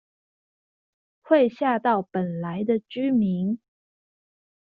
會嚇到本來的居民